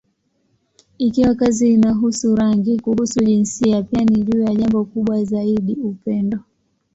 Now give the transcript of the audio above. Ikiwa kazi inahusu rangi, kuhusu jinsia, pia ni juu ya jambo kubwa zaidi: upendo.